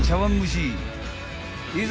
［いざ］